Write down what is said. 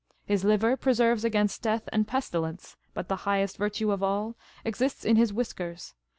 His liver preserves against death and pestilence. But the highest virtue of all exists in his whiskers.